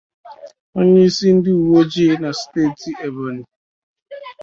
onyeisi ndị uweojii na steeti Ebonyi